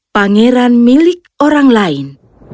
pangeran milik orang lain